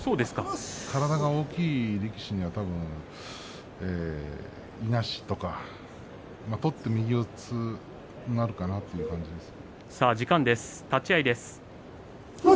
体が大きい力士には多分、いなしとか取って右四つになるかなという感じです。